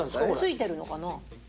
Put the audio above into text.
ついてるのかな？